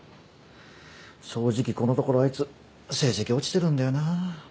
正直このところあいつ成績落ちてるんだよなぁ。